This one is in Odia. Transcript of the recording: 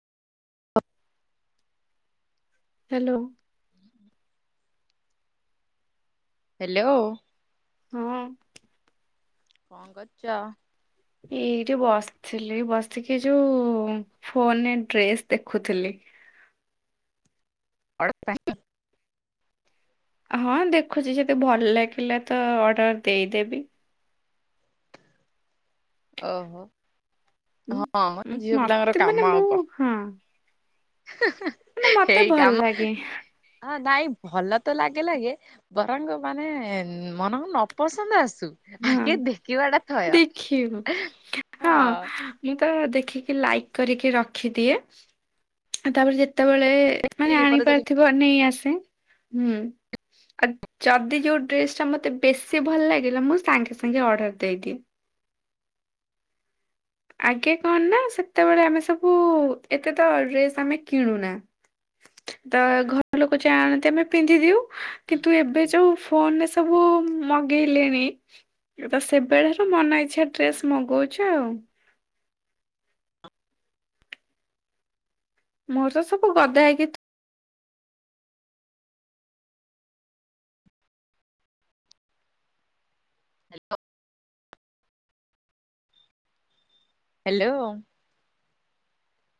ହ୍ୟାଲୋ। ହଁ। ହ୍ୟାଲୋ। ହଁ। କଣ କରୁଛ? ଏଇଠି ବସିଥିଲି ବସିକି ଯୋଉ ଫୋନରେ ଡ୍ରେସ ଦେଖୁଥିଲି। [unintelligible] ହଁ ଦେଖୁଛି ଯଦି ଭଲ ଲାଗିଲା ତ ଅର୍ଡର ଦେଇଦେବି। ଓହୋ ଉଁ ହଁ ମ ଉଁ ଝିଅ ପିଲାଙ୍କର ମତେ ମାନେ କାମ ମୁଁ ଆଉ ହଁ କଣ। ମାନେ ମତେ ସେଇ ଭଲ କାମ ଲାଗେ ହ ନାଇଁ ଭଲ ତ ଲାଗେ ଲାଗେ ବରଙ୍ଗ ମାନେ ମନକୁ ନପସନ୍ଦ ଆସୁ ହଁ। ଆଗେ ଦେଖିବା ଟା ଥୟ। ହଁ ହଁ ମୁଁ ତ ଦେଖିକି ଲାଇକ୍ କରିକି ରଖିଦିଏ। ଆ ତାପରେ ଯେତେବେଳେ ମାନେ ଆଣି ଏପରେ ଯଦି ପାରିଥିବ ନେଇ ଆସେ ହୁଁ। ଆ ଯଦି ଯୋଉ ଡ୍ରେସ ଟା ମତେ ବେଶୀ ଭଲ ଲାଗିଲା ମୁଁ ସାଙ୍ଗେ ସାଙ୍ଗେ ଅର୍ଡର ଦେଇଦିଏ। ଆଗେ କଣ ନା ସେତେବେଳେ ଆମେ ସବୁ ଏତେ ତ ଡ୍ରେସ ଆମେ କିଣୁନା। ତ ଘର ଲୋକ ଚା ଆଣନ୍ତି ଆମେ ପିନ୍ଧି ଦଉ। କିନ୍ତୁ ଏବେ ଯୋଉ ଫୋନରେ ସବୁ ମଗେଇ ଲେଣି ତ ସେବେଳାରୁ ମନ ଇଚ୍ଛା ଡ୍ରେସ ମଗଉଛୁ ଆଉ। ମୋର ତ ସବୁ ଗଦା ହେଇକି ଥୁ [unintelligible] ହ୍ୟାଲୋ।